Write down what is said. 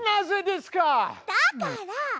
だから！